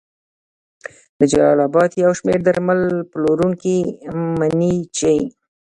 د جلال اباد یو شمېر درمل پلورونکي مني چې